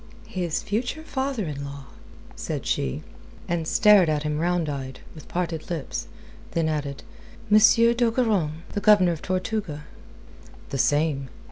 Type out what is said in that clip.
"His future father in law?" said she, and stared at him round eyed, with parted lips. Then added: "M. d'Ogeron? The Governor of Tortuga?" "The same.